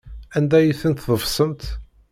Anda ay tent-tḍefsemt?